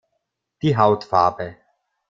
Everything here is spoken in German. Die Hautfarbe.